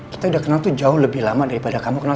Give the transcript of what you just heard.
kami udah kenal tuh cukup lama daripada emergan